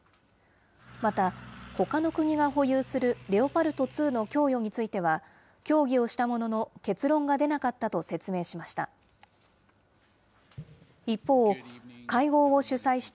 また、ほかの国が保有するレオパルト２の供与については、協議をしたものの、結論が出なかったと説明しました。